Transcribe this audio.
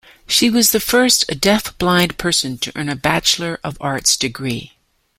She was the first deaf-blind person to earn a bachelor of arts degree.